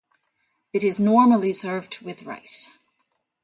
It is normally served with rice.